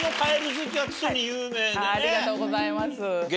ありがとうございます。